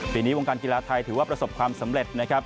ปีนี้วงการกีฬาไทยถือว่าประสบความสำเร็จนะครับ